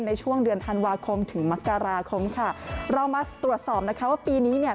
ในช่วงเดือนธันวาคมถึงมกราคมค่ะเรามาตรวจสอบนะคะว่าปีนี้เนี่ย